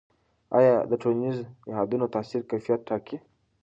آیا د ټولنیزو نهادونو تاثیر کیفیت ټاکي؟